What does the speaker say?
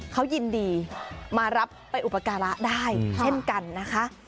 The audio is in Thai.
เขายินดีมารับไปอุปการะได้เช่นกันนะคะ